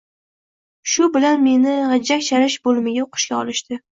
Shu bilan meni g’ijjak chalish bo’limiga o’qishga olishdi.